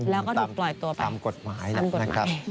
แล้วก็ถูกปล่อยตัวไปตามกฎหมายนะครับ